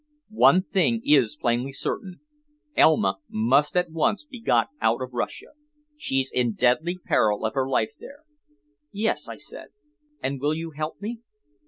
One thing is plainly certain; Elma must at once be got out of Russia. She's in deadly peril of her life there." "Yes," I said. "And you will help me?"